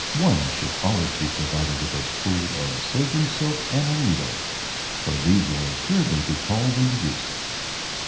One should always be provided with a spool of surgeon's silk and a needle, for these will assuredly be called into use.